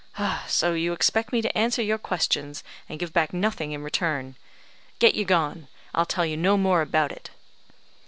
So you expect me to answer your questions, and give back nothing in return. Get you gone; I'll tell you no more about it."